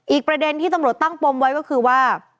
อีกประเด็นที่ตำรวจตั้งปมไว้ก็คือว่า